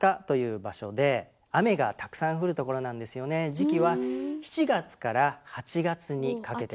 時期は７月８月にかけてです。